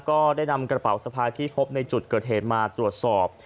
ก็ได้นำกระเป๋าสะพายที่พบในจุดเกิดเหตุมาตรวจสอบ